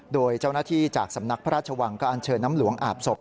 โดยเจ้าหน้าที่จากสำนักพระราชวังก็อันเชิญน้ำหลวงอาบศพ